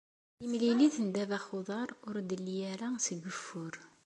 Timlilit n ddabex n uḍar ur d-telli ara seg ugeffur.